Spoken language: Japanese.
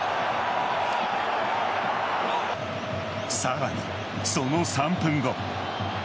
さらに、その３分後。